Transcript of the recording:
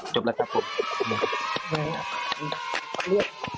จบแล้วครับผม